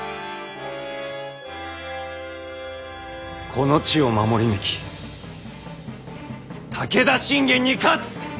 この地を守り抜き武田信玄に勝つ！